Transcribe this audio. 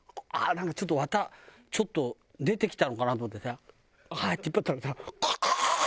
なんかちょっと綿ちょっと出てきたのかなと思ってさ引っ張ったらさグワーッ！